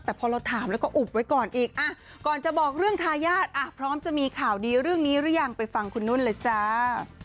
แต่พอเราถามแล้วก็อุบไว้ก่อนอีกก่อนจะบอกเรื่องทายาทพร้อมจะมีข่าวดีเรื่องนี้หรือยังไปฟังคุณนุ่นเลยจ้า